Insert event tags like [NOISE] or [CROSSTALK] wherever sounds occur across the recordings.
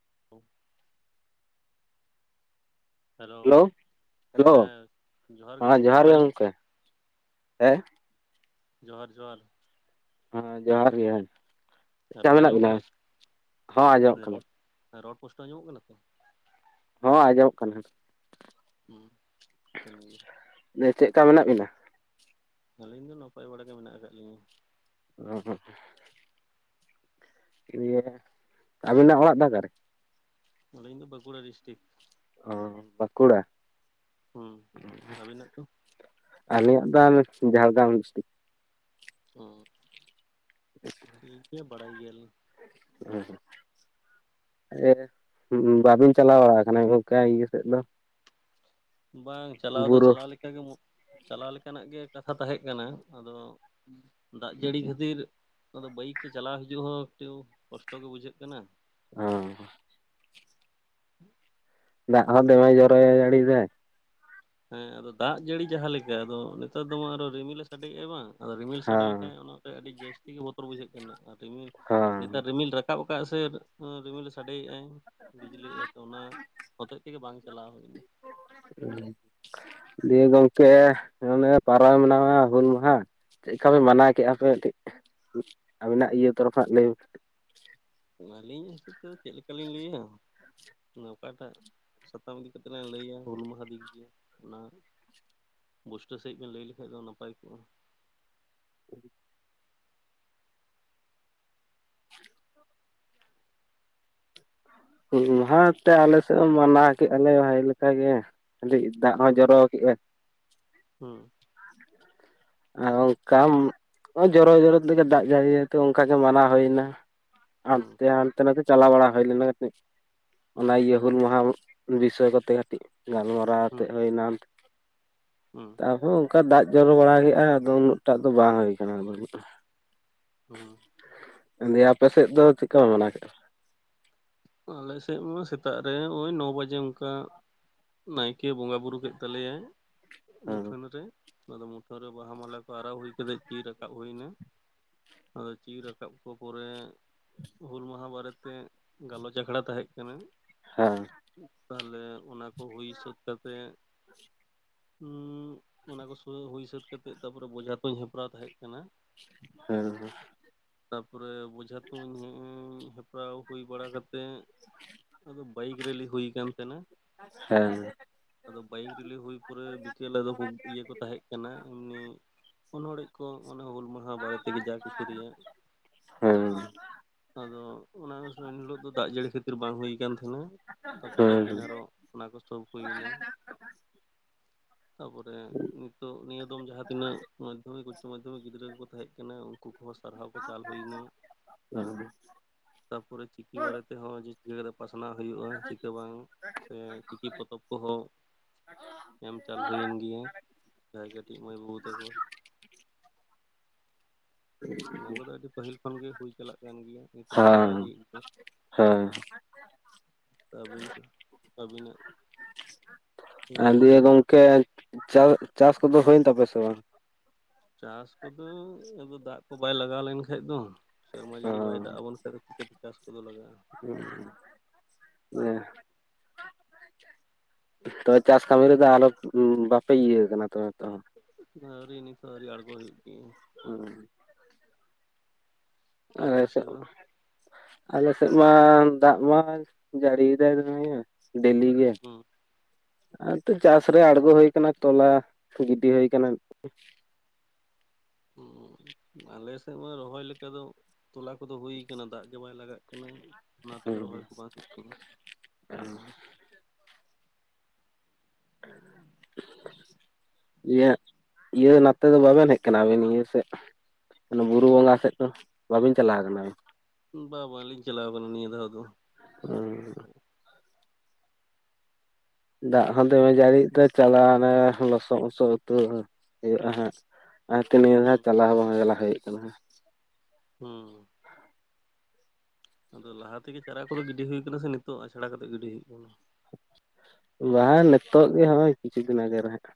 [UNINTELLIGIBLE] Hello, hello ᱦᱮᱸ ᱦᱮᱸ ᱜᱚᱝᱠᱮ ᱡᱚᱦᱟᱨ ᱨᱚᱲ ᱜᱮ ᱟᱸᱡᱚᱢᱚᱜ ᱜᱚᱝᱠᱮ᱾ ᱦᱳᱭ᱾ ᱡᱚᱦᱟᱨ, ᱡᱚᱦᱟᱨ᱾ ᱦᱮᱸ, ᱡᱚᱦᱟᱨ ᱜᱮ, ᱪᱮᱫ ᱞᱮᱠᱟ ᱨᱚᱲ ᱢᱮᱱᱟᱜ ᱟᱸᱡᱚᱢᱚᱜ ᱵᱮᱱᱟ? ᱠᱟᱱᱟ ᱦᱚᱸ ᱟᱸᱡᱚᱢᱚᱜ ᱠᱟᱱᱟ᱾ ᱦᱮᱸ ᱨᱚᱲ ᱯᱩᱥᱴᱟᱹᱣ ᱟᱸᱢᱚᱢᱚᱼᱜ ᱠᱟᱱᱟ ᱛᱚ᱾ ᱦᱚᱸ ᱟᱸᱡᱚᱢᱚᱜ ᱠᱟᱱᱟ, ᱦᱮᱹ ᱥᱮ᱾ ᱦᱩᱸ, ᱴᱷᱤᱠᱟᱹᱱ ᱜᱮᱭᱟ᱾ ᱪᱮᱫ ᱞᱮᱠᱟ ᱢᱮᱱᱟᱜ ᱵᱮᱱᱟ? ᱟᱹᱞᱤᱧ ᱫᱚ ᱱᱟᱯᱟᱭ ᱵᱟᱲᱟ ᱜᱮ ᱢᱮᱱᱟᱜ ᱟᱠᱟᱫ ᱞᱤᱧᱟᱹ᱾ [UNINTELLIGIBLE] ᱤᱭᱟᱹ ᱨᱮ᱾ ᱟᱹᱵᱤᱱᱟᱜ ᱚᱲᱟᱜ ᱫᱚ ᱚᱠᱟ ᱨᱮ? ᱟᱹᱞᱤᱧ ᱫᱚ ᱵᱟᱸᱠᱩᱲᱟ ᱰᱤᱥᱴᱤᱠ᱾ ᱚ ᱵᱟᱸᱠᱩᱲᱟ? ᱦᱩᱸ ᱚ ᱟᱹᱵᱤᱱᱟᱜ ᱫᱚ ᱟᱞᱤᱧᱟᱜ ᱫᱚ [UNINTELLIGIBLE] ᱡᱷᱟᱲᱜᱨᱟᱢ ᱰᱤᱥᱴᱤᱠ᱾ ᱦᱩᱸ᱾ ᱴᱷᱤᱠ ᱜᱮᱭᱟ ᱵᱟᱲᱟᱭ ᱜᱮᱭᱟᱞᱤᱧ᱾ ᱦᱮᱸᱻᱦᱮᱸ ᱮ ᱵᱟᱵᱤᱱ ᱪᱟᱞᱟᱣ ᱵᱟᱲᱟ ᱟᱠᱟᱱᱟ ᱜᱚᱢᱠᱮ ᱤᱭᱟᱹ ᱥᱮᱫ ᱫᱚ? ᱵᱟᱝ ᱪᱟᱞᱟᱣ ᱫᱚ ᱵᱩᱨᱩ ᱪᱟᱞᱟᱣ ᱞᱮᱠᱟᱱᱟᱜ ᱜᱮ ᱠᱟᱛᱷᱟ ᱛᱟᱦᱮᱸ ᱠᱟᱱᱟ, ᱟᱫᱚ ᱫᱟᱜ ᱡᱟᱹᱲᱤ ᱠᱷᱟᱹᱛᱤᱨ ᱵᱟᱭᱤᱠ ᱛᱮ ᱪᱟᱞᱟᱣ ᱦᱤᱡᱩᱜ ᱦᱚᱸ ᱠᱟᱹᱴᱤᱢ ᱠᱚᱥᱴᱚᱜ ᱜᱮ ᱵᱩᱡᱷᱟᱹᱜ ᱠᱟᱱᱟ᱾ ᱚ, ᱫᱟᱜ ᱦᱚᱸ ᱫᱮᱢᱮᱭ ᱡᱚᱨᱚᱭᱟ ᱡᱟᱹᱲᱤ ᱨᱮ ᱦᱮᱸ, ᱟᱫᱚ ᱫᱟᱜ ᱡᱟᱹᱲᱤ ᱡᱟᱦᱟᱸ ᱞᱮᱠᱟ ᱟᱫᱚ ᱱᱮᱛᱟᱨ ᱫᱚᱢᱮ ᱟᱨᱦᱚᱸ ᱨᱤᱢᱤᱞ ᱮ ᱥᱟᱰᱮ ᱮᱫᱼᱟ ᱵᱟᱝ, ᱟᱫᱚ ᱨᱤᱢᱤᱞ ᱥᱟᱰᱮ ᱦᱚᱸ ᱞᱮᱱᱷᱟᱱ ᱚᱱᱟᱛᱮ ᱟᱹᱰᱤ ᱡᱟᱹᱥᱛᱤ ᱜᱮ ᱵᱚᱛᱚᱨ ᱵᱩᱡᱷᱟᱹᱜ ᱠᱟᱱᱟ, ᱟᱨ ᱱᱮᱛᱟᱨ ᱦᱚᱸ ᱨᱤᱢᱤᱞ ᱨᱟ ᱨᱟᱠᱟᱵ ᱟᱠᱟᱫ ᱟᱭ ᱥᱮ ᱨᱤᱢᱤᱞᱮ ᱥᱟᱰᱮ ᱭᱮᱜ-ᱟᱭ᱾ ᱵᱤᱡᱽᱞᱤ ᱮᱛᱚ ᱚᱱᱟ ᱦᱚᱛᱮᱡ ᱛᱮᱜᱮ ᱵᱟᱝ ᱪᱟᱞᱟᱣ ᱦᱩᱭ ᱮᱱᱟ᱾ ᱦᱮᱸ ᱫᱮ ᱜᱚᱝᱠᱮ, ᱚᱱᱮ ᱯᱟᱨᱚᱢ ᱮᱱᱟ ᱦᱩᱞ ᱢᱟᱦᱟ ᱪᱮᱫ ᱞᱮᱠᱟ ᱵᱮᱱ ᱢᱟᱱᱟᱣ ᱠᱮᱫᱟ ᱯᱮ ᱠᱟᱹᱴᱤᱡ ᱟᱵᱤᱱᱟᱜ ᱤᱭᱟᱹ ᱛᱚᱨᱚᱯᱷ ᱞᱟᱹᱭ ᱟᱹᱞᱤᱧ ᱦᱤᱥᱟᱹᱵ ᱛᱮᱫᱚ ᱪᱮᱫ ᱞᱮᱠᱟᱞᱤᱧ ᱞᱟᱹᱭᱟ ᱚᱠᱟᱴᱟᱜ ᱥᱟᱛᱟᱢ ᱤᱫᱤ ᱠᱟᱛᱮᱜ ᱞᱟᱝ ᱞᱟᱹᱭᱟ ᱦᱩᱞ ᱢᱟᱦᱟ ᱫᱤᱱ ᱱᱤᱭᱮ ᱚᱱᱟ ᱵᱩᱥᱴᱟᱹ ᱥᱟᱺᱦᱤᱡ ᱵᱮᱱ ᱞᱟᱹᱭ ᱞᱮᱠᱷᱟᱱ ᱫᱚ ᱱᱟᱯᱟᱭ ᱠᱚᱜᱼᱟ᱾ ᱦᱩᱸ ᱦᱩᱞ ᱢᱟᱦᱟᱸ ᱛᱮ ᱟᱞᱮ ᱥᱮᱫ ᱮᱢ ᱢᱟᱱᱟᱣ ᱠᱮᱜᱟᱞᱮ ᱵᱷᱟᱜᱮ ᱞᱮᱠᱟ ᱜᱮ ᱠᱟᱴᱤᱡ ᱫᱟᱜ ᱦᱚᱸ ᱡᱚᱨᱚ ᱠᱮᱫᱼᱟ᱾ ᱦᱮᱸ ᱟᱨ ᱚᱱᱠᱟ ᱡᱚᱨᱚ-ᱡᱚᱨᱚ ᱛᱮᱜᱮ ᱫᱟᱜ ᱡᱟᱹᱲᱤ ᱟᱛᱮ ᱚᱱᱠᱟ ᱜᱮ ᱢᱟᱱᱟᱣ ᱦᱩᱭᱱᱟ᱾ ᱦᱩᱸ ᱦᱟᱱᱛᱮ ᱱᱟᱛᱮ ᱪᱟᱞᱟᱣ ᱵᱟᱲᱟ ᱦᱩᱭ ᱞᱮᱱᱟ ᱠᱟᱹᱴᱤᱡ ᱚᱱᱟ ᱤᱭᱟᱹ ᱦᱩᱸ ᱦᱩᱞ ᱢᱟᱦᱟ ᱵᱤᱥᱚᱭ ᱠᱚᱛᱮ ᱠᱟᱹᱴᱤᱡ ᱜᱟᱞᱢᱟᱨᱟᱣ ᱟᱛᱮᱫ ᱦᱩᱭᱱᱟ ᱦᱮᱸ ᱟᱨᱦᱚᱸ ᱚᱱᱠᱟ ᱫᱟᱜ ᱡᱚᱨᱚ ᱵᱟᱲᱟ ᱠᱮᱫᱼᱟ ᱟᱫᱚ ᱩᱱᱟᱹᱜ ᱴᱟᱜ ᱫᱚ ᱵᱟᱝ ᱦᱩᱭ ᱟᱠᱟᱱᱟ ᱟᱫᱚ ᱦᱩᱸ ᱫᱮ ᱟᱯᱮ ᱥᱮᱫ ᱫᱚ ᱪᱮᱫᱞᱮᱠᱟᱯᱮ ᱢᱟᱱᱟᱣ ᱠᱮᱫᱼᱟ ᱟᱞᱮᱥᱮᱫ ᱢᱟ ᱥᱮᱛᱟᱜ ᱨᱮ ᱱᱚᱜᱼᱚᱭ ᱱᱚ ᱵᱟᱡᱮ ᱚᱱᱠᱟ ᱱᱟᱭᱠᱮ ᱵᱚᱸᱜᱟ ᱵᱩᱨᱩ ᱠᱮᱫ ᱛᱟᱞᱮᱭᱟᱭ ᱦᱮᱸ ᱢᱩᱴᱷᱟᱹᱱ ᱨᱮ ᱚᱱᱟᱫᱚ ᱢᱩᱴᱷᱟᱹᱱ ᱨᱮ ᱵᱟᱦᱟ ᱢᱟᱞᱟ ᱠᱚ ᱟᱨᱟᱣ ᱦᱩᱭ ᱠᱟᱮᱫ ᱪᱤᱨ ᱨᱟᱠᱟᱵ ᱦᱩᱭ ᱮᱱᱟ ᱟᱫᱚ ᱪᱤᱨ ᱨᱟᱠᱟᱵ ᱠᱚ ᱯᱚᱨᱮ ᱦᱩᱞ ᱢᱟᱦᱟ ᱵᱟᱨᱮ ᱛᱮ ᱜᱟᱞᱚᱪ ᱟᱠᱷᱲᱟ ᱛᱟᱦᱮᱸ ᱠᱟᱱᱟ᱾ ᱦᱮᱸᱻᱦᱮᱸ ᱛᱟᱦᱚᱞᱮ ᱚᱱᱟ ᱠᱚ ᱦᱩᱭ ᱥᱟᱹᱛ ᱠᱟᱛᱮᱜ ᱚᱱᱟ ᱠᱚ ᱦᱩᱭ ᱥᱟᱛ ᱠᱟᱛᱮᱫ ᱛᱟᱨᱯᱚᱨᱮ ᱵᱚᱡᱷᱟ ᱛᱚᱧ ᱦᱮᱯᱨᱟᱣ ᱛᱟᱦᱮᱸ ᱠᱟᱱᱟ᱾ ᱦᱮᱸᱻ ᱦᱮᱸ ᱛᱟᱯᱚᱨᱮ ᱵᱚᱡᱷᱟ ᱛᱩᱧ ᱦᱮᱯᱨᱟᱣ ᱦᱩᱭ ᱵᱟᱲᱟ ᱠᱟᱛᱮ ᱟᱫᱚ ᱵᱟᱭᱤᱠ ᱨᱮᱞᱤ ᱦᱩᱭ ᱟᱠᱟᱱ ᱛᱟᱦᱮᱸᱱᱟ᱾ ᱟᱫᱚ ᱵᱟᱭᱤᱠ ᱨᱮᱞᱤ ᱦᱩᱭ ᱯᱚᱨᱮ ᱵᱤᱠᱮᱞ ᱟᱫᱚ ᱤᱭᱟᱹ ᱠᱚ ᱛᱟᱦᱮᱸᱫ ᱮᱢᱱᱤ ᱚᱱᱚᱲ ᱠᱚ ᱦᱩᱞ ᱢᱟᱦᱟ ᱚᱱᱟ ᱵᱟᱨᱮ ᱛᱮᱜᱮ ᱡᱟ ᱠᱤᱪᱷᱩ ᱨᱮᱭᱟᱜ ᱦᱮᱸ ᱟᱫᱚ ᱚᱱᱟ ᱤᱱ ᱦᱤᱞᱥᱜ ᱫᱚ ᱫᱟᱜ ᱡᱟᱹᱲᱤ ᱠᱷᱟᱹᱛᱤᱨ ᱵᱟᱝ ᱦᱩᱭᱩ ᱟᱠᱟᱱ ᱛᱟᱦᱮᱱᱟ ᱛᱟᱨᱯᱚᱨᱮ ᱦᱮᱸ ᱦᱮᱸ ᱫᱤᱱ ᱟᱨᱚ ᱚᱱᱟ ᱠᱚ ᱥᱚᱵ ᱦᱩᱭ ᱮᱱᱟ᱾ ᱛᱟᱯᱚᱨᱮ ᱱᱤᱛᱚᱜ ᱱᱤᱭᱟᱹ ᱫᱚ ᱡᱟᱦᱟᱸᱛᱤᱱᱟᱹᱜ ᱢᱟᱫᱽᱫᱷᱚᱢᱤᱠ ᱩᱪᱪᱚ ᱢᱟᱫᱽᱫᱷᱚᱢᱤᱠ ᱜᱤᱫᱽᱨᱟᱹ ᱠᱚ ᱠᱚ ᱛᱟᱦᱮᱸ ᱠᱟᱱᱟ ᱩᱱᱠᱩ ᱠᱚᱦᱚᱸ ᱥᱟᱨᱦᱟᱣ ᱠᱚ ᱪᱟᱞ ᱦᱩᱭᱱᱟ᱾ ᱦᱮᱸ ᱛᱟᱯᱚᱨᱮ ᱪᱤᱠᱤ ᱵᱟᱨᱮ ᱛᱮᱦᱚᱸ ᱪᱤᱠᱟᱹ ᱠᱟᱛᱮ ᱯᱟᱥᱱᱟᱣ ᱦᱩᱭᱩᱜᱼᱟ, ᱪᱤᱠᱟᱹ ᱵᱟᱝ ᱥᱮ ᱪᱤᱠᱤ ᱯᱚᱛᱚᱵ ᱠᱚᱦᱚᱸ ᱮᱢ ᱪᱟᱞ ᱦᱩᱭᱮᱱ ᱜᱮᱭᱟ ᱡᱟᱦᱟᱸᱭ ᱠᱟᱹᱴᱤᱡ ᱢᱟᱹᱭ ᱵᱟᱹᱵᱩ ᱛᱟᱠᱚ ᱚᱱᱟ ᱠᱚᱫᱚ ᱟᱹᱰᱤ ᱯᱟᱹᱦᱤᱞ ᱠᱷᱚᱱ ᱜᱮ ᱦᱩᱭ ᱪᱟᱞᱟᱜ ᱠᱟᱱ ᱜᱮᱭᱟ᱾ ᱱᱤᱛ ᱦᱚᱞᱮ ᱠᱚᱨᱟᱣ ᱦᱮᱸ ᱤᱫᱤ ᱮᱫ ᱜᱮ ᱦᱮᱸ᱾ ᱛᱟᱵᱤᱱ ᱛᱚ ᱟᱹᱵᱤᱱᱟᱜ᱾ ᱟᱨ ᱢᱮᱱ [INAUDIBLE] ᱛᱮᱫᱚ ᱜᱚᱝᱠᱮ ᱪᱟᱥ ᱪᱟᱥ ᱠᱚᱫᱚ ᱦᱩᱭᱮᱱ ᱛᱟᱯᱮᱭᱟ ᱥᱮ ᱵᱟᱝ? ᱪᱟᱥ ᱠᱚᱫᱚ ᱟᱫᱚ ᱫᱟᱜ ᱠᱚ ᱵᱟᱭ ᱞᱟᱜᱟᱣ ᱞᱮᱱᱠᱷᱟᱡ ᱫᱚ, ᱥᱮᱨᱢᱟ ᱚ ᱡᱟᱹᱲᱤ ᱵᱟᱭ ᱫᱟᱜ ᱟᱵᱚᱱ ᱠᱷᱟᱱ ᱫᱚ ᱪᱤᱠᱟᱹᱛᱮ ᱪᱟᱥ ᱠᱚᱫᱚ ᱞᱟᱜᱟᱼᱟ ᱾ [UNINTELLIGIBLE] ᱛᱚᱵᱮ ᱪᱟᱥ ᱠᱟᱹᱢᱤ ᱨᱮᱫᱚ ᱟᱞᱚ ᱵᱟᱯᱮ ᱤᱭᱟᱹ ᱠᱟᱱᱟ ᱱᱤᱛᱚᱜ ᱦᱚ ᱟᱹᱣᱨᱤ ᱱᱤᱛ ᱦᱚ ᱟᱹᱣᱨᱤ ᱟᱨᱜᱚ ᱦᱩᱭᱩᱜ [INAUDIBLE] [UNINTELLIGIBLE] ᱟᱹᱵᱤᱱ ᱥᱮᱫ ᱫᱚ [UNINTELLIGIBLE] ᱟᱞᱮ ᱥᱮᱫ ᱢᱟ ᱫᱟᱜ ᱢᱟ ᱡᱟᱹᱲᱤᱭ ᱮᱫᱟᱭ ᱫᱚᱢᱮ ᱜᱮ ᱰᱮᱞᱤ ᱜᱮ ᱦᱩᱸ ᱟᱨ ᱛᱚ ᱪᱟᱥ ᱨᱮ ᱟᱬᱜᱚ ᱦᱩᱭ ᱟᱠᱟᱱᱟ ᱛᱚᱞᱟ ᱜᱤᱰᱤ ᱦᱩᱭ ᱠᱟᱱᱟ ᱟᱞᱮ ᱥᱮᱫ ᱢᱟ ᱨᱚᱦᱚᱭ ᱞᱮᱠᱟ ᱫᱚ ᱛᱚᱞᱟ ᱠᱚᱫᱚ ᱦᱩᱭ ᱠᱟᱱᱟ ᱫᱟᱜ ᱜᱮ ᱵᱟᱭ ᱞᱟᱜᱟᱜ ᱠᱟᱱᱟ ᱚᱱᱟ ᱛᱮᱜᱮ ᱨᱚᱦᱚᱭ ᱦᱩᱸ ᱠᱚ ᱵᱟᱝ ᱦᱩᱭᱩᱜ ᱠᱟᱱᱟ᱾ [INAUDIBLE] [UNINTELLIGIBLE] ᱤᱭᱟᱹ ᱤᱭᱟᱹ ᱱᱟᱛᱮ ᱫᱚ ᱵᱟᱵᱮᱱ ᱦᱮᱡ ᱟᱠᱟᱱᱟ ᱟᱵᱮᱱ ᱱᱤᱭᱟᱹ ᱥᱮᱫ ᱵᱩᱨᱩ ᱵᱚᱸᱜᱟ ᱥᱮᱫ ᱫᱚ ᱵᱟᱵᱤᱱ ᱪᱟᱞᱟᱣ ᱠᱟᱱᱟ ᱵᱤᱱ ᱵᱟ ᱵᱟᱞᱤᱧ ᱪᱟᱞᱟᱣ ᱠᱟᱱᱟ ᱱᱤᱭᱟᱹ ᱫᱷᱟᱣ ᱫᱚ, [UNINTELLIGIBLE] ᱫᱟᱜ ᱦᱚᱸ ᱫᱚᱢᱮ ᱡᱟᱹᱲᱤ ᱫᱚᱭ ᱪᱟᱞᱟᱜᱼᱟ ᱚᱱᱮ ᱞᱚᱥᱚᱫᱼᱞᱚᱥᱚᱫ ᱩᱛᱩ ᱦᱩᱭᱩᱜᱼᱟ ᱦᱟᱸᱜ ᱟᱨ ᱛᱮ ᱱᱤᱭᱟᱹ ᱦᱩᱸ ᱫᱷᱟᱣᱜ ᱪᱟᱞᱟᱣ ᱦᱚᱸ ᱵᱟᱝ ᱪᱟᱞᱟᱣ ᱦᱩᱭ ᱠᱟᱱᱟ, ᱦᱩᱸ ᱟᱫᱚ ᱞᱟᱦᱟ ᱛᱮᱜᱮ ᱪᱟᱨᱟ ᱠᱚᱫᱚ ᱜᱤᱰᱤ ᱦᱩᱭ ᱠᱟᱱᱟ ᱥᱮ ᱱᱤᱛᱚᱜ ᱟᱪᱷᱟᱲᱟ ᱠᱟᱛᱮ ᱜᱤᱰᱤ ᱦᱩᱭᱩᱜ ᱠᱟᱱᱟ᱾ ᱵᱟᱝ ᱱᱤᱛᱚᱜ ᱜᱮ ᱱᱚ-ᱚᱭ ᱠᱤᱪᱷᱩ ᱫᱤᱱ ᱟᱜᱮ ᱨᱮ ᱦᱟᱸᱜ,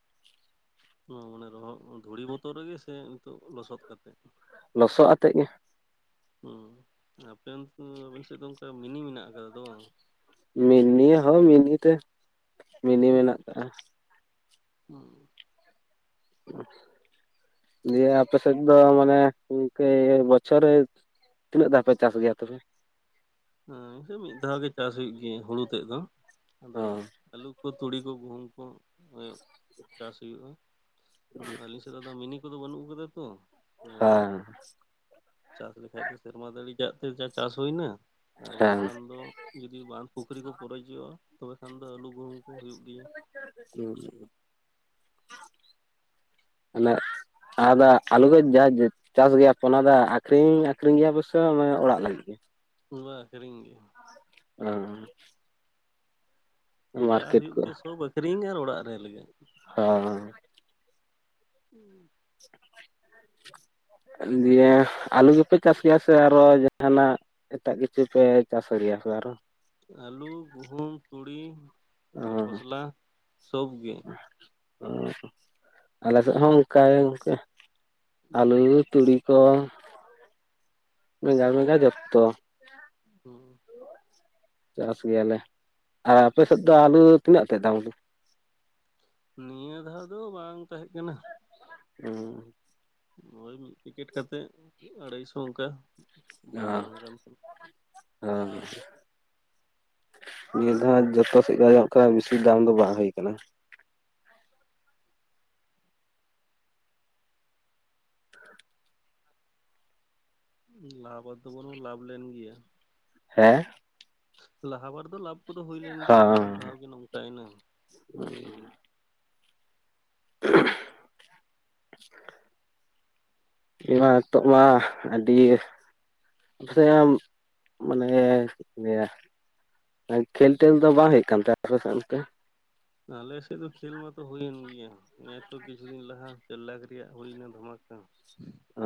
ᱢᱟᱱᱮ ᱨᱚᱦᱚᱲ ᱫᱷᱩᱲᱤ ᱵᱚᱛᱚᱨ ᱨᱮᱜᱮ ᱥᱮ ᱱᱤᱛᱚᱜ ᱞᱚᱥᱚᱫ ᱠᱟᱛᱮᱮᱫ? ᱞᱚᱥᱚ ᱟᱛᱮᱫ ᱜᱮ, ᱚ ᱟᱯᱮ ᱚᱱᱛᱮ ᱫᱚ [UNINTELLIGIBLE] ᱚᱱᱠᱟ ᱢᱤᱱᱤ ᱢᱮᱱᱟᱜ ᱟᱠᱟᱫᱟ ᱛᱚ ᱵᱟᱝ? ᱢᱤᱱᱤ ᱦᱚᱸ ᱢᱤᱱᱤ ᱛᱮ ᱢᱤᱱᱤ ᱢᱮᱱᱟᱜ ᱠᱟᱜᱼᱟ ᱾ [UNINTELLIGIBLE] ᱫᱤᱭᱮ ᱟᱯᱮ ᱥᱮᱫ ᱫᱚ ᱢᱟᱱᱮ ᱜᱚᱢᱠᱮ ᱵᱚᱪᱷᱚᱨ ᱛᱤᱱᱟᱹᱜ ᱫᱷᱟᱣ ᱯᱮ ᱪᱟᱥ ᱜᱮᱭᱟ ᱛᱚᱵᱮ? ᱦᱮ ᱢᱤᱫ ᱫᱷᱟᱣ ᱜᱮ ᱪᱟᱥ ᱦᱩᱭᱩᱜ ᱜᱮᱭᱟ ᱦᱩᱲᱩ ᱛᱮᱫ ᱫᱚ ᱚ ᱟᱫᱚ ᱟᱹᱞᱩ ᱠᱚ ᱛᱩᱲᱤ ᱠᱚ ᱜᱩᱦᱩᱢ ᱠᱚ ᱪᱟᱥ ᱦᱩᱭᱩᱜᱼᱟ᱾ ᱟᱹᱞᱤᱧ ᱥᱮᱫ ᱫᱚ ᱢᱤᱱᱤ ᱠᱚᱫᱚ ᱵᱟᱹᱱᱩᱜ ᱠᱟᱫᱟ ᱛᱚ ᱚᱭ ᱦᱮᱸ ᱪᱟᱥ ᱞᱮᱠᱷᱟᱡ ᱫᱚ ᱥᱮᱨᱢᱟ ᱡᱟᱹᱲᱤ ᱫᱟᱜ ᱛᱮ ᱡᱟ ᱪᱟᱥ ᱦᱩᱭᱱᱟ ᱟᱨ ᱦᱮᱸ ᱵᱟᱝᱠᱷᱟᱱ ᱫᱚ ᱡᱩᱫᱤ ᱵᱟᱸᱷ ᱯᱩᱠᱷᱨᱤ ᱠᱚ ᱯᱚᱨᱚᱡᱚᱜᱼᱟ ᱛᱚᱵᱮ ᱠᱷᱟᱱ ᱫᱚ ᱟᱹᱞᱩ ᱜᱩᱦᱩᱢ ᱠᱚ ᱦᱚ ᱦᱩᱭᱩᱜ ᱜᱮᱭᱟ᱾ [UNINTELLIGIBLE] [UNINTELLIGIBLE] [INAUDIBLE] ᱪᱟᱥ ᱜᱮᱭᱟ ᱯᱮ ᱚᱱᱟ ᱫᱚ ᱟᱠᱷᱨᱤᱧ ᱟᱠᱷᱨᱤᱧ ᱜᱮᱭᱟ ᱯᱮᱥᱮ ᱚᱱᱮ ᱚᱲᱟᱜ ᱞᱟᱹᱜᱤᱫ ᱜᱮ, ᱯᱩᱨᱟᱹ ᱟᱠᱷᱨᱤᱧᱜᱮ ᱦᱩᱸ ᱡᱟ ᱦᱩᱭᱩᱜ ᱠᱚ ᱜᱮᱭᱟ ᱥᱚᱵ ᱟᱠᱷᱨᱤᱧ ᱟᱨ ᱚᱲᱟᱜ ᱨᱮ ᱞᱟᱹᱜᱤᱫ, [INAUDIBLE] [INAUDIBLE] ᱫᱤᱭᱮ ᱟᱹᱞᱩ ᱜᱮᱯᱮ ᱪᱟᱥ ᱜᱮᱭᱟ ᱥᱮ ᱟᱨᱚ ᱡᱟᱦᱟᱱᱟᱜ ᱮᱴᱟᱜ ᱠᱤᱪᱷᱩ ᱯᱮ ᱪᱟᱥ ᱟᱹᱨᱤᱭᱟ ᱥᱮ ᱟᱨᱚ? ᱟᱹᱞᱩ ᱜᱩᱦᱩᱢ ᱛᱩᱲᱤ ᱟᱨ ᱚ ᱠᱷᱚᱥᱞᱟ ᱥᱚᱵᱜᱮ ᱾ ᱚ ᱟᱞᱮ ᱥᱮᱫ ᱦᱚᱸ ᱚᱱᱠᱮ ᱚᱱᱠ ᱟᱹᱞᱩ, ᱛᱩᱲᱤ ᱛᱚ, ᱢᱮᱜᱟᱲ ᱢᱮᱜᱟ ᱡᱚᱠᱛᱚ ᱦᱩᱸ ᱪᱟᱥ ᱜᱮᱭᱟ ᱞᱮ ᱟᱨ ᱟᱯᱮ ᱥᱮᱫ ᱫᱚ ᱟᱞᱩ ᱛᱤᱱᱟᱹᱜ ᱛᱮᱫ ᱫᱟᱢ ᱫᱚ? ᱱᱤᱭᱟᱹ ᱫᱷᱟᱹᱣ ᱫᱚ ᱵᱟᱝ ᱛᱟᱦᱮᱸ ᱠᱟᱱᱟ᱾ ᱦᱩᱸ ᱱᱚᱜᱼᱭ ᱢᱤᱫ ᱯᱮᱠᱮᱴ ᱠᱟᱛᱮᱜ ᱟᱲᱟᱭᱥᱚ ᱚᱱᱠᱟ ᱵᱟᱝ ᱫᱟᱢ ᱠᱟᱱ ᱛᱟᱦᱮᱸ᱾ ᱦᱩᱸ ᱱᱤᱭᱟᱹ ᱫᱷᱟᱣ ᱡᱚᱛᱚ ᱥᱮᱫ ᱟᱡᱚᱢᱚᱜ ᱠᱟᱱᱟ, ᱵᱮᱥᱤ ᱫᱟᱢ ᱫᱚ ᱵᱟᱝ ᱦᱩᱭ ᱟᱠᱟᱱᱟ᱾ ᱞᱟᱵᱷ ᱟᱫᱚ ᱵᱟᱹᱱᱩᱜ ᱞᱟᱵᱷ ᱞᱮᱱ ᱜᱮᱭᱟ᱾ ᱦᱮᱸ ᱞᱟᱦᱟ ᱵᱟᱨ ᱫᱚ ᱞᱟᱵᱷ ᱠᱚᱫᱚ ᱦᱩᱭ ᱞᱮᱱ ᱜᱮᱭᱟ, ᱱᱤᱭᱟᱹ ᱦᱚᱸ ᱫᱷᱟᱣ ᱜᱮ ᱱᱚᱝᱠᱟ ᱭᱮᱱᱟ᱾ [INAUDIBLE] [UNINTELLIGIBLE] [UNINTELLIGIBLE] ᱱᱤᱛᱚᱜ ᱢᱟ ᱟᱹᱰᱤ ᱥᱮ ᱢᱟᱱᱮ ᱪᱮᱫ ᱤᱧ ᱞᱟᱹᱭᱟ ᱠᱷᱮᱞ ᱴᱮᱞ ᱫᱚ ᱵᱟᱝ ᱦᱩᱭᱩᱜ ᱠᱟᱱ ᱛᱮ ᱟᱯᱮ ᱥᱮᱫ ᱚᱱᱛᱮ ᱟᱞᱮᱥᱮᱫ ᱫᱚ ᱠᱷᱮᱞ ᱢᱟᱛᱚ ᱦᱩᱭᱮᱱ ᱜᱤᱭᱟ, ᱱᱮᱜ ᱮ ᱛᱚ ᱠᱤᱪᱷᱩ ᱫᱤᱱ ᱞᱟᱦᱟ ᱪᱟᱨ ᱞᱟᱠᱷ ᱨᱮᱭᱟᱜ ᱦᱩᱭᱱᱟ ᱫᱷᱟᱢᱟᱠᱟ᱾ ᱚ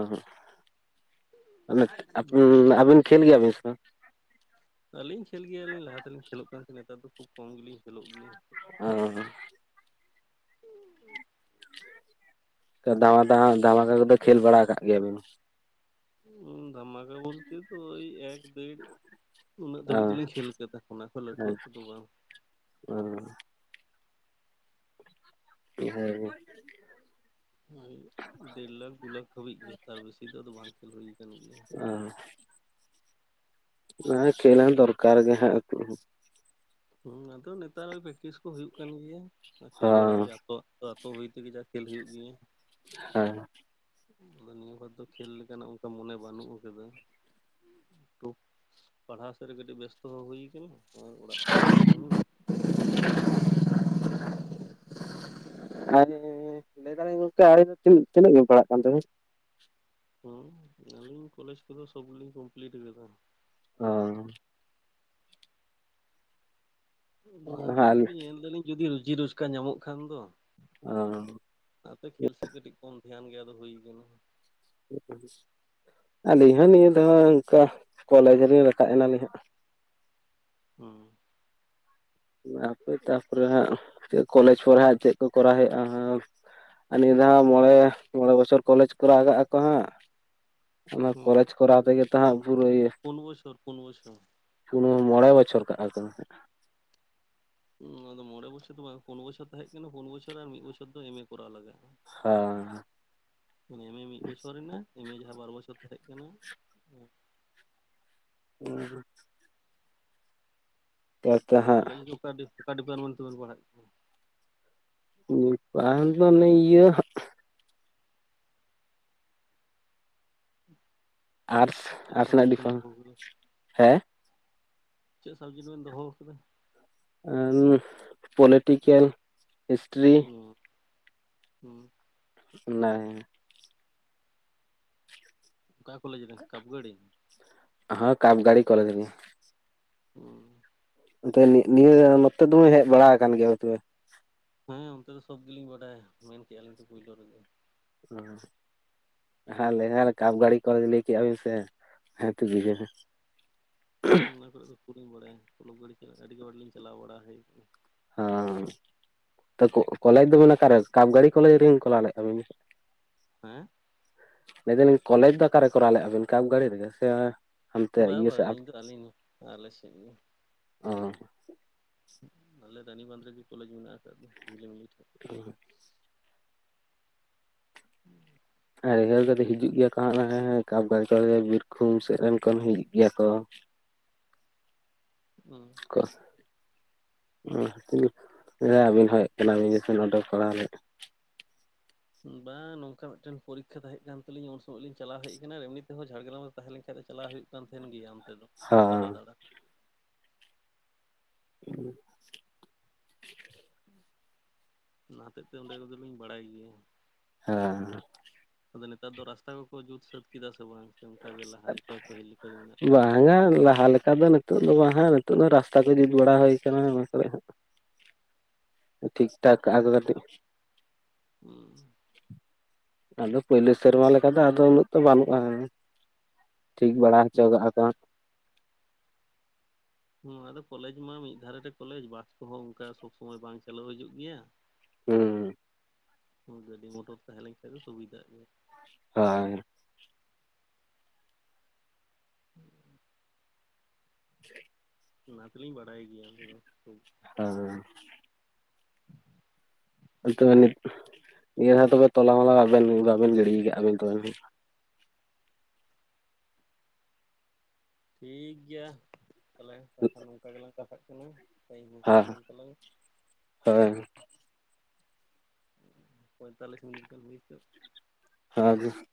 [UNINTELLIGIBLE] ᱟᱯᱮ ᱚᱱᱛᱮᱱ ᱠᱚ ᱟᱹᱵᱤᱱ ᱠᱷᱮᱞ ᱜᱮᱭᱟ ᱵᱤᱱ ᱥᱮ ᱵᱟᱝ? ᱟᱹᱞᱤᱧ ᱠᱷᱮᱞ ᱜᱮᱭᱟ ᱞᱤᱧ, ᱞᱟᱦᱟ ᱛᱮᱞᱤᱧ ᱠᱷᱞᱚᱜ ᱠᱟᱱ ᱛᱟᱦᱮᱸᱫ, ᱱᱮᱛᱟᱨ ᱫᱚ ᱠᱷᱩᱵ ᱠᱚᱢ ᱜᱤᱞᱤᱧ ᱠᱷᱮᱞ ᱜᱮᱭᱟ᱾ ᱚᱸ [UNINTELLIGIBLE] ᱫᱷᱟᱢᱟᱠᱟ ᱠᱚ ᱫᱚ ᱠᱷᱮᱞ ᱵᱟᱲᱟ ᱟᱠᱟᱫ ᱜᱮᱭᱟ ᱵᱤᱱ? ᱫᱷᱟᱢᱟᱠᱟ ᱵᱚᱞᱛᱮ ᱫᱚ ᱚᱭ ᱮᱠ ᱫᱮᱲ ᱩᱱᱟᱹᱜ ᱚ ᱫᱷᱟᱹᱵᱤᱡ ᱫᱩᱞᱤᱧ ᱠᱷᱮᱞ ᱠᱟᱫᱟ, ᱚᱱᱟ ᱠᱷᱚᱱ ᱞᱟᱹᱴᱩᱣᱟᱜ ᱠᱚᱫᱚ ᱵᱟᱝ᱾ ᱚᱸ ᱦᱮᱸ ᱦᱳᱭ ᱫᱮᱲ ᱞᱟᱠᱷ ᱫᱩ ᱞᱟᱠᱷ ᱦᱟᱹᱵᱤᱡ ᱜᱮ, ᱛᱟᱨ ᱵᱮᱥᱤ ᱫᱚ ᱟᱫᱚ ᱵᱟᱝ ᱠᱷᱮᱞ ᱦᱩᱭ ᱟᱠᱟᱱ ᱜᱤᱭᱟ᱾ ᱚᱸ ᱚᱱᱟᱜ ᱠᱷᱮᱞ ᱦᱚᱸ ᱫᱚᱨᱠᱟᱨ ᱜᱮ ᱦᱟᱸᱜ [UNINTELLIGIBLE] ᱦᱩᱸ ᱟᱫᱚ ᱱᱮᱛᱟᱨ ᱯᱮᱠᱴᱤᱥ ᱠᱚ ᱦᱩᱭᱩᱜ ᱠᱟᱱ ᱜᱤᱭᱟ ᱟᱨ ᱠᱷᱮᱞ ᱵᱟᱲᱟ ᱦᱚᱸ ᱚᱭ ᱟᱛᱚ ᱛᱚ ᱟᱛᱳ ᱦᱩᱭ ᱛᱮᱜᱮ ᱡᱟ ᱠᱷᱮᱞ ᱦᱩᱭᱩᱜ ᱜᱤᱭᱟ᱾ ᱦᱮᱸ ᱟᱫᱚ ᱱᱤᱭᱟᱹ ᱵᱟᱨ ᱫᱚ ᱠᱷᱮᱞ ᱞᱮᱠᱟ ᱱᱟᱜ ᱚᱱᱠᱟ ᱢᱚᱱᱮ ᱵᱟᱹᱱᱩᱜ ᱟᱠᱟᱫᱼᱟ᱾ ᱛᱚ ᱯᱟᱲᱦᱟᱣ ᱥᱮᱫ ᱨᱮ ᱠᱟᱹᱴᱤᱡ ᱵᱮᱥᱛᱚ ᱦᱩᱭᱩ ᱟᱠᱟᱱᱟ᱾ ᱚᱲᱟᱜ ᱠᱚᱨᱮᱱᱟᱜ ᱠᱟᱹᱢᱤ [INAUDIBLE] ᱟᱨ ᱞᱟᱹᱭ ᱫᱟ ᱞᱤᱧ ᱜᱚᱢᱠᱮ, ᱟᱵᱤᱱ ᱫᱚ ᱛᱤᱱ ᱛᱤᱱᱟᱜ ᱨᱮ ᱵᱤᱱ ᱯᱟᱲᱦᱟᱜ ᱠᱟᱱ ᱛᱮᱵᱤᱱ? ᱦᱩᱢ ᱟᱹᱞᱤᱧ ᱠᱚᱞᱮᱡᱽ ᱠᱚᱫᱚ ᱥᱚᱵᱽᱤᱞᱤᱧ ᱠᱚᱢᱯᱤᱞᱤᱴ ᱠᱟᱫᱟ᱾ ᱚᱸ ᱚᱱᱟ ᱦᱚᱛᱮᱡ ᱛᱮᱜᱮ ᱧᱮᱞ ᱮᱫᱟ ᱞᱤᱧ, ᱡᱚᱫᱤ ᱨᱚᱡᱤ ᱨᱩᱡᱠᱟᱨ ᱧᱟᱢᱚᱜ ᱠᱷᱟᱱ ᱫᱚ᱾ ᱚᱸ ᱟᱱᱟ ᱛᱮ ᱠᱷᱮᱞ ᱥᱮᱫ ᱠᱟᱹᱴᱤᱡ ᱠᱚᱢ ᱫᱷᱮᱭᱟᱱ ᱜᱮ ᱟᱫᱚ ᱦᱩᱭ ᱟᱠᱟᱱᱟ᱾ ᱟᱹᱞᱤᱧ ᱦᱚᱸ ᱱᱤᱭᱟᱹ ᱚᱱᱠᱟ ᱠᱚᱞᱮᱡᱽ ᱨᱮᱞᱤᱧ ᱨᱟᱠᱟᱵ ᱮᱱᱟ᱾ ᱦᱩᱸ ᱦᱟᱯᱮ ᱛᱟᱨᱯᱚᱨᱮ ᱦᱟᱸᱜ ᱪᱮᱫ ᱠᱚᱞᱮᱡᱽ ᱠᱚᱨᱮ ᱦᱟᱸᱜ ᱪᱮᱫ ᱠᱚ ᱠᱚᱨᱟᱣ ᱦᱩᱭᱩᱜᱼᱟ ᱦᱟᱸᱜ? ᱟᱨ ᱱᱤᱭᱟᱹ ᱫᱷᱟᱣ ᱢᱚᱬᱮ ᱢᱚᱬᱮ ᱵᱚᱪᱷᱚᱨ ᱠᱚᱞᱮᱡᱽ ᱠᱚᱨᱟᱣᱟᱜᱟᱜ ᱟᱠᱚ ᱦᱟᱸᱜ᱾ ᱚᱱᱟ ᱦᱩᱸ ᱠᱚᱞᱮᱡᱽ ᱠᱚᱨᱟᱣ ᱛᱮᱜᱮ ᱛᱚ ᱦᱟᱸᱜ ᱯᱩᱨᱟᱹ ᱤᱭᱟᱹ ᱯᱩᱱ ᱵᱚᱪᱷᱚᱨ ᱯᱩᱱ ᱵᱚᱪᱷᱚᱨ ᱯᱩᱨᱟᱹ ᱢᱚᱬᱮ ᱵᱚᱪᱷᱚᱨ ᱠᱟᱜ ᱠᱚ᱾ ᱚᱱᱟ ᱫᱚ ᱢᱚᱬᱮ ᱵᱚᱪᱷᱚᱨ ᱫᱚ ᱵᱟᱝ, ᱯᱳᱱ ᱵᱚᱪᱷᱚᱨ ᱛᱟᱦᱮᱸ ᱠᱟᱱᱟ᱾ ᱯᱳᱱ ᱵᱚᱪᱷᱚᱨ ᱟᱨ ᱢᱤᱫ ᱵᱚᱪᱷᱚᱨ ᱫᱚ ᱮᱢᱮ ᱠᱚᱨᱟᱣ ᱞᱟᱜᱟᱜᱼᱟ᱾ ᱦᱮᱸ ᱮᱢᱮ ᱢᱤᱫ ᱵᱚᱪᱷᱚᱨ ᱨᱮᱱᱟᱜ ᱮᱢᱮ ᱡᱟᱦᱟᱸ ᱵᱟᱨ ᱵᱚᱪᱷᱚᱨ ᱛᱟᱦᱮᱸᱜ ᱠᱟᱱᱟ᱾ [UNINTELLIGIBLE] ᱛᱟᱦᱞᱮ ᱦᱮᱸ ᱠᱚᱞᱮᱡᱽ ᱫᱚ ᱚᱠᱟ ᱰᱤᱯ ᱚᱠᱟ ᱰᱤᱯᱟᱨᱢᱮᱱᱴ ᱛᱮᱵᱤᱱ ᱯᱟᱲᱦᱟᱜ ᱠᱟᱱᱟ ᱰᱤᱯᱟᱨᱫᱚ ᱚᱱᱮ ᱤᱭᱟᱹ [INAUDIBLE] ᱟᱹᱨᱥ ᱪᱮᱫ ᱟᱨᱥ ᱨᱮᱱᱟᱜ ᱥᱟᱵᱡᱮᱠᱴ ᱵᱮᱱ ᱫᱚᱦᱚ ᱰᱤᱯᱟᱨᱢᱮᱱᱴ ᱟᱠᱟᱫᱟ ᱦᱮᱸ ᱪᱮᱫ ᱥᱚᱵᱡᱮᱴ ᱵᱤᱱ ᱫᱚᱦᱚ ᱠᱟᱫᱟ ᱩᱸᱻᱦᱜ ᱯᱚᱞᱮᱴᱤᱠᱮᱞ ᱦᱤᱥᱴᱨᱤ ᱩᱸᱻ ᱩᱜ ᱚᱱᱟᱜᱮ ᱚᱠᱟ ᱠᱚᱞᱮᱡᱽ ᱨᱮ ᱠᱟᱯᱜᱟᱲᱤ ᱦᱮᱸ ᱠᱟᱯᱜᱟᱲᱤ ᱠᱚᱞᱮᱡ ᱨᱮᱜᱮ ᱩᱸ ᱱᱮ ᱱᱤᱭᱟᱹ [INAUDIBLE] ᱱᱚᱛᱮ ᱫᱚᱢᱮ ᱦᱮᱡ ᱵᱟᱲᱟ ᱟᱠᱟᱱ ᱜᱮᱭᱟ ᱛᱚᱵᱮ ᱦᱮᱸ ᱚᱱᱛᱮ ᱫᱚ ᱥᱚᱵᱽ ᱜᱮᱞᱤᱧ ᱵᱟᱰᱟᱭᱟ ᱢᱮᱱ ᱠᱮᱜ-ᱟ ᱞᱤᱧ ᱛᱚ ᱯᱳᱭᱞᱳ ᱨᱮᱜᱮ ᱳᱜ ᱦᱮᱸ ᱞᱮᱭᱟᱞ ᱠᱟᱯ ᱜᱟᱹᱲᱤ ᱠᱚ ᱞᱟᱹᱭ ᱠᱮᱫᱼᱟ ᱵᱤᱱ ᱥᱮ ᱦᱮᱸ ᱴᱷᱤᱠ ᱜᱮᱭᱟ ᱦᱮᱸ ᱚᱱᱟ ᱠᱚᱨᱮ ᱫᱚ ᱠᱷᱩᱵ ᱞᱤᱧ ᱵᱟᱲᱟᱭᱟ [INAUDIBLE] ᱜᱟᱹᱰᱤ ᱪᱟᱞᱟᱜ ᱟᱹᱰᱤ ᱵᱟᱨ ᱞᱤᱧ ᱪᱟᱞᱟᱣ ᱵᱟᱲᱟ ᱦᱮᱡ ᱦᱚᱸ ᱛᱚ ᱠᱚᱠ ᱠᱚᱞᱮᱡᱽ ᱫᱚᱵᱮᱱ ᱚᱠᱟᱨᱮ ᱠᱟᱯᱜᱟᱲᱤ ᱠᱚᱞᱮᱡᱽ ᱨᱮ ᱠᱚᱨᱟᱣ ᱞᱮᱫ ᱠᱟᱵᱤᱱᱟ ᱦᱮᱸ ᱞᱟᱹᱭ ᱫᱟᱞᱤᱧ ᱠᱚᱞᱮᱡᱽ ᱫᱚ ᱚᱠᱟᱨᱮ ᱠᱚᱨᱟᱣ ᱞᱮᱜ-ᱟ ᱵᱤᱱ ᱠᱟᱯ ᱜᱟᱹᱲᱤ ᱨᱮᱜᱮ ᱥᱮ ᱦᱟᱱᱛᱮ ᱵᱟ ᱤᱭᱟᱹ ᱵᱟ ᱥᱮᱫ ᱟᱞᱤᱧ ᱫᱚ ᱟᱞᱤᱧ ᱟᱞᱮ ᱥᱮᱫ ᱜᱮ ᱚᱸ ᱟᱞᱮ ᱨᱟᱱᱤ ᱵᱟᱸᱫᱷ ᱨᱮ ᱜᱮ ᱠᱚᱞᱮᱡᱽ ᱢᱮᱱᱟᱜ ᱟᱠᱟᱫ ᱫᱚ ᱜᱤᱢᱞᱤ ᱴᱷᱮᱜ [UNINTELLIGIBLE] [INAUDIBLE] ᱦᱮ ᱩᱭᱦᱟᱹ ᱞᱮᱫᱟᱧ ᱦᱤᱡᱩᱜ ᱜᱮᱭᱟ ᱠᱚ ᱮᱸᱻ ᱦᱟᱜᱸ ᱠᱟᱯᱜᱟᱰᱤ ᱵᱤᱨᱵᱷᱩᱢ ᱥᱮᱫ ᱨᱮᱱ ᱠᱷᱚᱱ ᱦᱤᱡᱩᱜ ᱜᱮᱭᱟ ᱠᱚ ᱩᱸ ᱟᱵᱤᱱ ᱦᱚᱸ ᱦᱮᱡ ᱠᱟᱱᱟᱵᱤᱱᱠᱷᱚᱱ [INAUDIBLE] ᱚᱰᱚᱠ ᱠᱚᱨᱟᱣ ᱞᱮᱫ ᱵᱟᱝ ᱱᱚᱝᱠᱟ ᱢᱤᱫᱴᱮᱱ ᱯᱚᱨᱤᱠᱷᱟ ᱛᱟᱦᱮᱸ ᱠᱟᱱ ᱛᱟᱹᱞᱤᱧ ᱩᱱ ᱥᱚᱢᱚᱭ ᱞᱤᱧ ᱵᱟᱝ ᱱᱚᱝᱠᱟ ᱢᱤᱫᱴᱟᱝ ᱯᱚᱨᱤᱠᱠᱷᱟ ᱛᱟᱦᱮ ᱠᱟᱱ ᱛᱟᱞᱤᱧᱟ ᱩᱱ ᱥᱚᱢᱚᱭ ᱞᱤᱧ ᱪᱟᱞᱟᱣ ᱦᱮᱡ ᱟᱠᱟᱱᱟ ᱮᱢᱱᱤ ᱛᱮᱦᱚᱸ ᱡᱷᱟᱲᱜᱨᱟᱢ ᱨᱮ ᱛᱟᱦᱮᱸ ᱞᱮᱱ ᱠᱷᱟᱱ ᱫᱚ ᱪᱟᱞᱟᱣ ᱦᱩᱭᱩᱜ ᱠᱟᱱ ᱛᱟᱦᱮᱱ ᱜᱮᱭᱟ ᱚᱱᱛᱮ ᱫᱚ ᱦᱟᱸ ᱫᱟᱫᱟᱲᱟ ᱦᱮᱸ [INAUDIBLE] ᱚᱱᱟ ᱦᱚᱛᱮᱫ ᱛᱮ ᱚᱸᱰᱮ ᱠᱚᱫᱚ ᱞᱤᱧ ᱵᱟᱲᱟᱭ ᱜᱮᱭᱟ ᱦᱮᱸ ᱛᱚᱵᱮ ᱱᱮᱛᱟᱨ ᱫᱚ ᱨᱟᱥᱛᱟ ᱠᱚᱠᱚ ᱡᱩᱛ ᱥᱟᱹᱛ ᱠᱮᱫᱟ ᱥᱮ-ᱵᱟᱝ ᱵᱟᱝᱟ ᱞᱟᱦᱟ ᱞᱮᱠᱟ ᱫᱚ ᱱᱤᱛ ᱚᱜ ᱫᱚ ᱵᱟᱝ ᱦᱟᱸᱜ ᱱᱤᱛᱚᱜ ᱫᱚ ᱨᱟᱥᱛᱟ ᱜᱮ ᱡᱩᱛ ᱵᱟᱲᱟ ᱦᱩᱭ ᱟᱠᱟᱱᱟ ᱚᱱᱟ ᱠᱚᱨᱮ ᱦᱟᱸᱜ ᱴᱷᱤᱠ ᱴᱷᱟᱠ ᱟᱨᱫᱚ ᱠᱟᱴᱤᱡ ᱦᱩᱸ ᱟᱫᱚ ᱯᱳᱭᱞᱳ ᱥᱮᱨᱢᱟ ᱞᱮᱠᱟ ᱫᱚ ᱟᱫᱚ ᱩᱱᱟᱹᱜ ᱛᱚ ᱵᱟᱹᱱᱩᱜᱼᱟ ᱴᱷᱤᱠ ᱵᱟᱲᱟ ᱦᱚᱪᱚ ᱠᱟᱜᱼᱟ ᱠᱚ ᱱᱚᱣᱟ ᱫᱚ ᱠᱚᱞᱮᱡ ᱢᱟ ᱢᱤᱫ ᱫᱷᱟᱨᱮ ᱨᱮ ᱠᱚᱞᱮᱡ ᱵᱟᱥ ᱠᱚᱦᱚᱸ ᱚᱱᱠᱟ ᱥᱚᱵ ᱥᱚᱢᱚᱭ ᱵᱟᱝ ᱪᱟᱞᱩ ᱦᱤᱡᱩᱜ ᱜᱮᱭᱟ ᱦᱩᱸ ᱜᱟᱹᱰᱤ ᱢᱚᱴᱚᱨ ᱛᱟᱦᱮᱸ ᱞᱮᱱ ᱠᱷᱟᱱ ᱫᱚ ᱥᱩᱵᱤᱫᱷᱟᱜ ᱜᱮᱭᱟ ᱦᱟᱭ ᱦᱮᱸ [INAUDIBLE] ᱚᱱᱟ ᱫᱚ ᱞᱤᱧ ᱵᱟᱲᱟᱭ ᱜᱮᱭᱟ ᱟᱰᱮ ᱫᱚ [UNINTELLIGIBLE] [INAUDIBLE] ᱛᱚᱵᱮ ᱱᱤᱭᱟᱹ ᱵᱟᱨ ᱛᱚᱞᱟ ᱢᱚᱞᱟ ᱵᱟᱵᱮᱱ ᱜᱤᱰᱤ ᱟᱠᱟᱜ ᱵᱮᱱ ᱛᱚ? ᱴᱷᱤᱠ ᱜᱮᱭᱟ ᱛᱟᱦᱞᱮ ᱮᱠᱷᱚᱱ ᱱᱚᱝᱠᱟ ᱜᱮᱞᱟᱝ ᱠᱟᱛᱷᱟᱜ ᱠᱟᱱᱟ ᱴᱟᱭᱤᱢ ᱦᱚᱸ ᱦᱩᱭ ᱦᱳᱭ ᱠᱟᱱ ᱛᱟᱞᱟᱝᱟ᱾ ᱦᱳᱭ᱾ ᱯᱚᱸᱭᱛᱟᱞᱞᱤᱥ ᱢᱤᱱᱤᱴ ᱜᱟᱱ ᱦᱩᱭ ᱦᱚᱪᱚᱜ᱾ [UNINTELLIGIBLE]